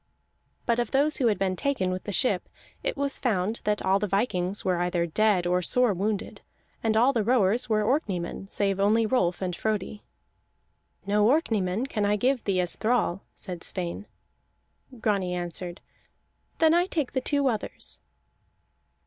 But of those who had been taken with the ship, it was found that all the vikings were either dead or sore wounded; and all the rowers were Orkneymen save only Rolf and Frodi. "No Orkneymen can I give thee as thrall," said Sweyn. Grani answered: "Then I take the two others."